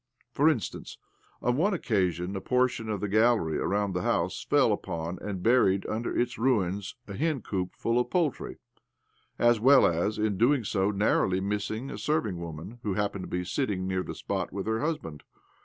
For instance, on one occasion a portion of the gallery around the house fell upon, and buried iimder its ruins, a hen coop full of poultry, as well as, in doing so, narrowly missed a seiving woman who happened to be sitting near the spot with her husband.